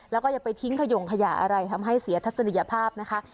แล้วก็อย่าไปทิ้งขยงขยะอะไรทำให้เสียทัศนียภาพนะคะ